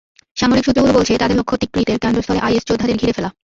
সামরিক সূত্রগুলো বলছে, তাদের লক্ষ্য তিকরিতের কেন্দ্রস্থলে আইএস যোদ্ধাদের ঘিরে ফেলা।